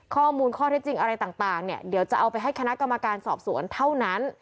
ข้อมูลข้อเท็จจริงอะไรต่างเนี่ยเดี๋ยวจะเอาไปให้คณะกรรมการสอบสวนเท่านั้น